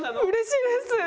うれしいです。